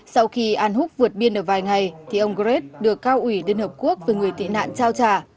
sau khi an húc vượt biên ở vài ngày thì ông gret được cao ủy đnh với người tị nạn trao trả